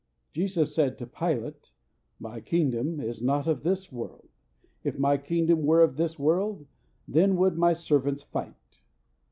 Jesus said to Pilate, "My kingdom is not of this world; if My kingdom were of this world, then would My servants fight."